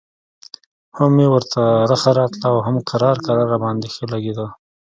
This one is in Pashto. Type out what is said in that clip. هم مې ورته رخه راتله او هم کرار کرار راباندې ښه لګېده.